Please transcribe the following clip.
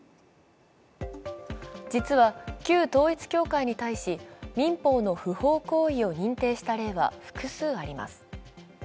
実は旧統一教会に対し民法の不法行為を認定した例は複数あります。